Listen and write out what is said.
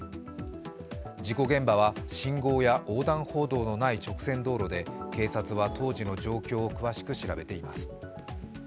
事故現場は信号や横断歩道のない直線道路で警察は当時の状況を詳しく調べています。